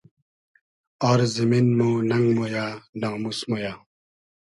آر زیمین مۉ نئنگ مۉیۂ ناموس مۉ یۂ